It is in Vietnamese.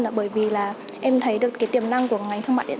là bởi vì là em thấy được cái tiềm năng của ngành thương mại quốc tế